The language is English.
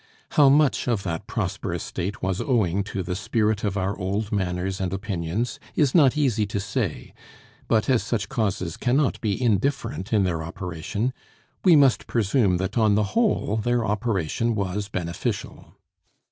How much of that prosperous state was owing to the spirit of our old manners and opinions is not easy to say; but as such causes cannot be indifferent in their operation, we must presume that on the whole their operation was beneficial.